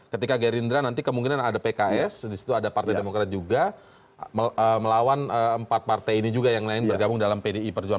ketika gerindra nanti kemungkinan ada pks disitu ada partai demokrat juga melawan empat partai ini juga yang lain bergabung dalam pdi perjuangan